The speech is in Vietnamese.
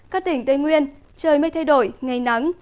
các tỉnh tây nguyên trời mây thay đổi ngày nắng